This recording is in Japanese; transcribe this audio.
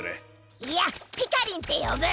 いやピカリンってよぶ。